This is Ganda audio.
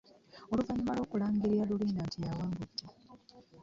Oluvannyuma lw'okulangirira Rulinda nti y'awangudde